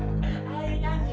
samaku nggak cuma udah dikuarin